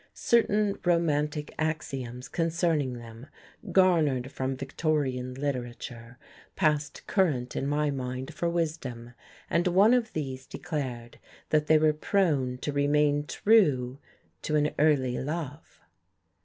Certain romantic axioms concerning them, garnered from Victorian literature, passed current in my mind for wisdom; and one of these declared that they were prone to remain true to an early love.